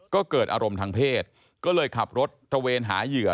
ก็เกิดอารมณ์ทางเพศก็เลยขับรถตระเวนหาเหยื่อ